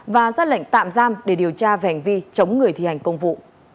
và ra lệnh tạm giam để điều tra vẻnh vi chống người thi hành công vụ